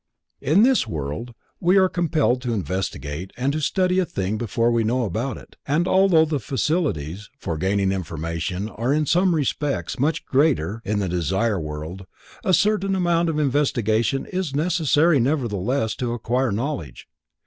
In this world we are compelled to investigate and to study a thing before we know about it, and although the facilities for gaining information are in some respects much greater in the Desire World, a certain amount of investigation is necessary nevertheless to acquire knowledge.